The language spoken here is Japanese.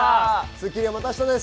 『スッキリ』はまた明日です。